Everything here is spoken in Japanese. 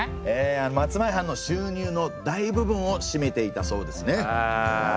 ええ松前藩の収入の大部分を占めていたそうですね。